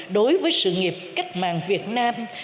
đối với sự nghiệp cách mạng việt nam